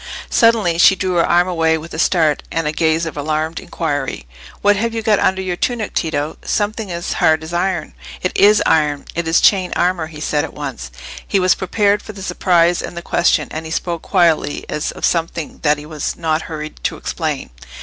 Suddenly she drew her arm away with a start, and a gaze of alarmed inquiry. "What have you got under your tunic, Tito? Something as hard as iron." "It is iron—it is chain armour," he said at once. He was prepared for the surprise and the question, and he spoke quietly, as of something that he was not hurried to explain.